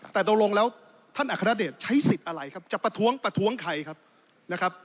แต่ตกลงแล้วท่านอัครเดชใช้สิทธิ์อะไรครับจะประท้วงประท้วงใครครับนะครับ